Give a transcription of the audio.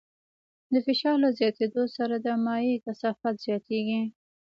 د فشار له زیاتېدو سره د مایع کثافت زیاتېږي.